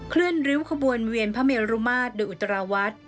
เลื่อนริ้วขบวนเวียนพระเมรุมาตรโดยอุตราวัด